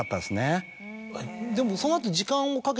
でもその後。